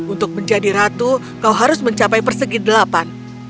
untuk menjadi ratu kau harus mencapai persegi delapan